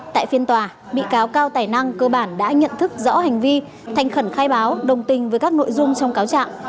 tại phiên tòa bị cáo cao tài năng cơ bản đã nhận thức rõ hành vi thành khẩn khai báo đồng tình với các nội dung trong cáo trạng